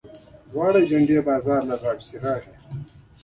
دواړه د جنډې بازار ته راپسې راغلل.